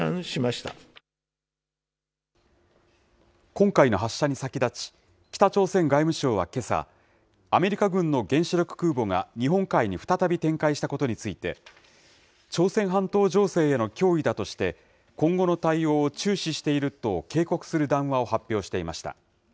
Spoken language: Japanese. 今回の発射に先立ち、北朝鮮外務省はけさ、アメリカ軍の原子力空母が日本海に再び展開したことについて、朝鮮半島情勢への脅威だとして、今後の対応を注視していると警告する談話を発表していました。